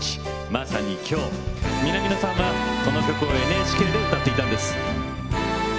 まさにきょう、南野さんはこの曲をＮＨＫで歌っていたんです。